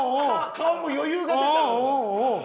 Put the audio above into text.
顔も余裕が出てたから。